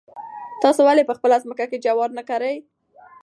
تاسو ولې په خپله ځمکه کې جوار نه کرئ؟